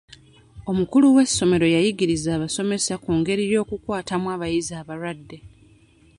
Omukulu w'essomero yayigirizza abasomesa ku ngeri y'okukwatamu abayizi abalwadde.